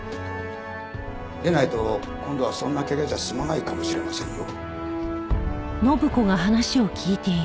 でないと今度はそんな怪我じゃ済まないかもしれませんよ。